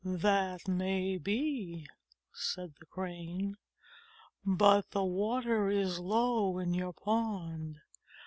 "That may be," said the Crane, "but the water is so low in your pond.